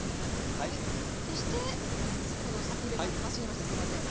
そして先ほど先走りましてすみません。